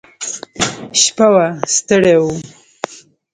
شپه وه ستړي وو.